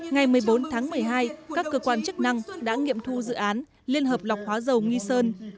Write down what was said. ngày một mươi bốn tháng một mươi hai các cơ quan chức năng đã nghiệm thu dự án liên hợp lọc hóa dầu nghi sơn